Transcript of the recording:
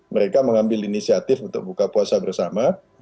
mereka mengambil inisiatif untuk buka puasa bersama